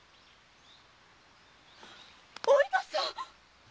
お糸さん！